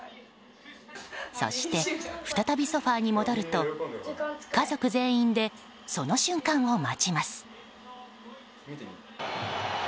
そして、再びソファに戻ると家族全員でその瞬間を待ちます。